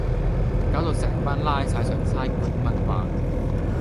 搞到成班拉晒上差館問話